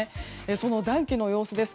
その暖気の様子です。